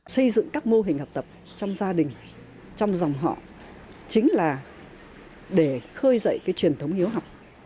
xây dựng các mô hình học tập trong gia đình trong dòng họ chính là để khơi dậy cái truyền thống hiếu học